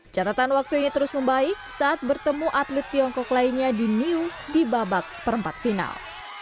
catatan waktu ini terus membaik saat bertemu atlet tiongkok lainnya di new di babak perempat final